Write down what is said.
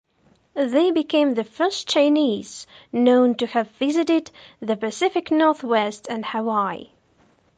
They became the first Chinese known to have visited the Pacific Northwest and Hawaii.